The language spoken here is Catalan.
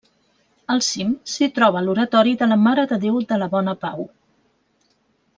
Al cim, s'hi troba l'oratori de la Mare de Déu de la Bona Pau.